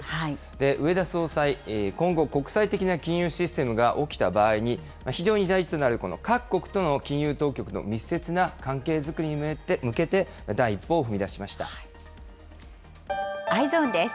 植田総裁、今後、国際的な金融システムが起きた場合に、非常に大事となる各国との金融当局の密接な関係作りに向けて、Ｅｙｅｓｏｎです。